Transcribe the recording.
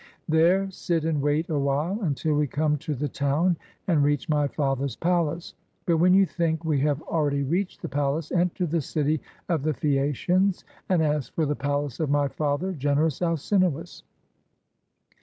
There sit and wait a while, until we come to the town and reach my father's palace. But when you think we have already reached the palace, enter the city of the Phaeacians, and ask for the palace of my father, generous Alcinoiis.